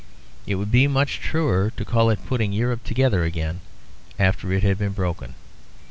It would be much truer to call it putting Europe together again after it had been broken.